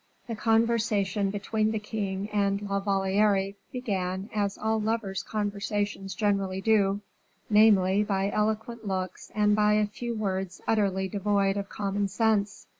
The conversation between the king and La Valliere began, as all lovers' conversations generally do, namely, by eloquent looks and by a few words utterly devoid of common sense.